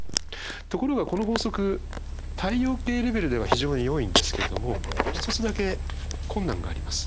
ところがこの法則太陽系レベルでは非常によいんですけれども一つだけ困難があります。